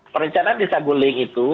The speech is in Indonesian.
perencanaan di saguling itu